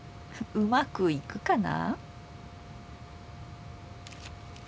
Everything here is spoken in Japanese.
うまくいくかな。